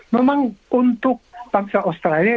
memang untuk bangsa australia